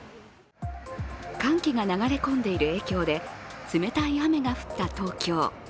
寒気が流れ込んでいる影響で冷たい雨が降った東京。